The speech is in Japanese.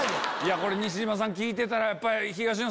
これ西島さん聞いてたら。